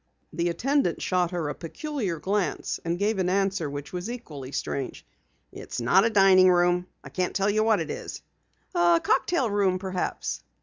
The attendant shot her a peculiar glance and gave an answer which was equally strange. "It's not a dining room. I can't tell you what it is." "A cocktail room perhaps?"